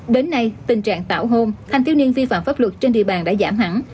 đến nay tình trạng tạo hôn hành thiếu niên vi phạm pháp luật trên địa bàn đã giảm hẳn